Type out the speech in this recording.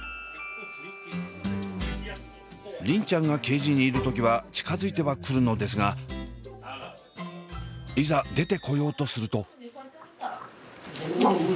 梨鈴ちゃんがケージにいる時は近づいては来るのですがいざ出てこようとすると。